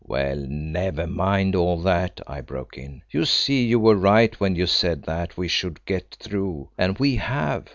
"Well, never mind all that," I broke in; "you see you were right when you said that we should get through, and we have.